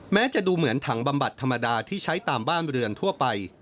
แม้จะดูเหมือนถังบำบัดธรรมดาที่ใช้ตามบ้านเรือนทั่วไป